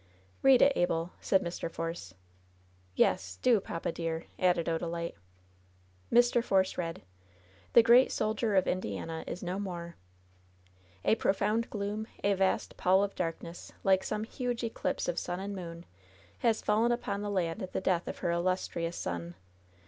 'Tlead it, Abel," said Mrs. Force. "Yes, do, papa, dear," added Odalite. Mr. Force read: "THE GEEAT SOLDIER OF INDIA IS NO MORE "A profound gloom, a vast pall of darkness, like some ^uge eclipse of sun and moon,' has fallen upon 40 LOVE'S BITTEREST CUE the land at the death of her illustrious son.